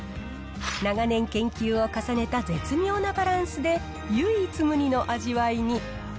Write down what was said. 長年、研究を重ねた絶妙なバランスで、唯一無二の味わいに。